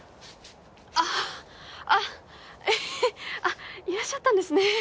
あっあっえいらっしゃったんですね。